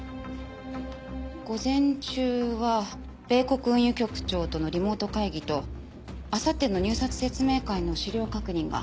午前中は米国運輸局長とのリモート会議とあさっての入札説明会の資料確認が。